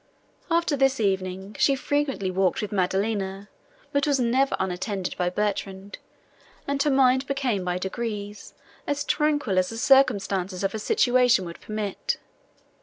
After this evening, she frequently walked with Maddelina, but was never unattended by Bertrand; and her mind became by degrees as tranquil as the circumstances of her situation would permit.